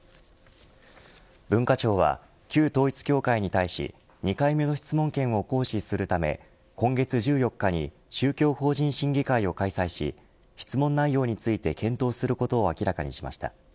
文化庁は旧統一教会に対し２回目の質問権を行使するため今月１４日に宗教法人審議会を開催し質問内容について検討することを明らかにしました。